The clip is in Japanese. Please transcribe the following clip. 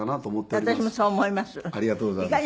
ありがとうございます。